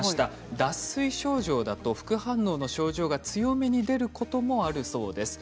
脱水症状だと副反応の症状が強めに出ることもあるそうです。